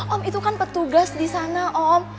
om itu kan petugas di sana om